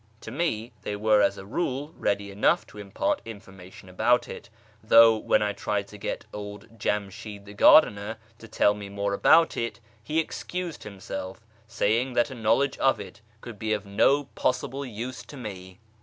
To me they were as a rule YEZD 389 ready enough to impart information about it ; though when I tried to get old Jamshid the gardener to tell me more about it, he excused himself, saying that a knowledge of it could be of no possible use to me.